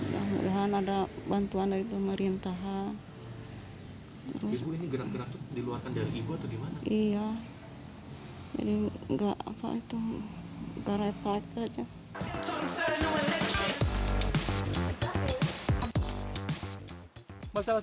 semoga ada bantuan dari pemerintahan